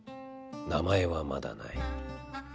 名前はまだない。